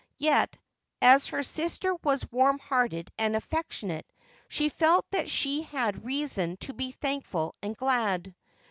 Yet, as her sister was warm hearted and affectionate, she felt that she had reason to be thankful and glad.